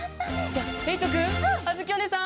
じゃあえいとくんあづきおねえさん